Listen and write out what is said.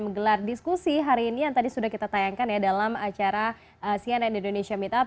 menggelar diskusi hari ini yang tadi sudah kita tayangkan ya dalam acara cnn indonesia meetup